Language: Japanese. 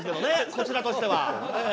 こちらとしてはええ。